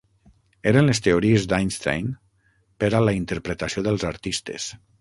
Eren les teories d'Einstein per a la interpretació dels artistes.